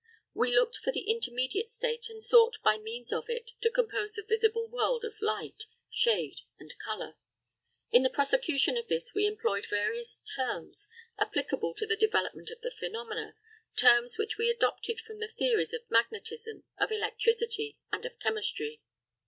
We looked for the intermediate state, and sought by means of it to compose the visible world of light, shade, and colour. In the prosecution of this we employed various terms applicable to the development of the phenomena, terms which we adopted from the theories of magnetism, of electricity, and of chemistry.